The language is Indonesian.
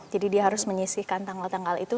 jadi dia harus menyisihkan tanggal tanggal itu